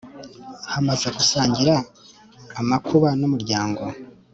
hamaze gusangira amakuba n'umuryango